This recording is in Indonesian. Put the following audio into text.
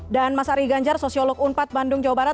dan mas ari ganjar sosiolog unpad bandung jawa barat